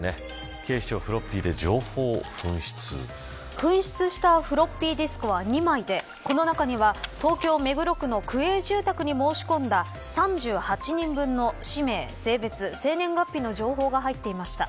警視庁、フロッピーで紛失したフロッピーディスクは２枚でこの中には東京、目黒区の区営住宅に申し込んだ３８人分の氏名、性別生年月日の情報が入っていました。